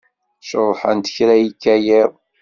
Ceḍḥent kra yekka yiḍ.